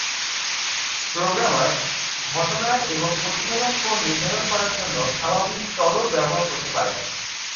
Programmer ঘটনার এবং প্রতিফলন কোণ নির্ধারণ করার জন্য স্বাভাবিক চলক ব্যবহার করতে পারেন।